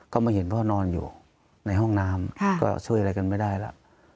ก็มาเห็นพ่อนอนอยู่ในห้องน้ำก็ช่วยอะไรกันไม่ได้แล้ว